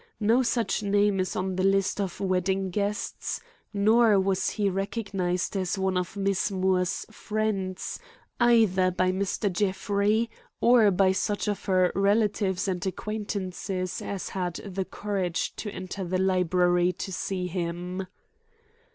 No such name is on the list of wedding guests, nor was he recognized as one of Miss Moore's friends either by Mr. Jeffrey or by such of her relatives and acquaintances as had the courage to enter the library to see him.